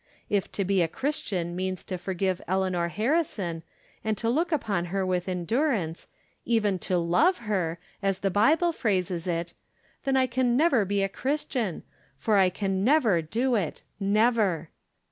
If to be a Christian means to forgive Eleanor Harrison, and to look upon her with endurance, even to love her, as the Bible phrases it, then I can never be a Christian, for I can never do it, never.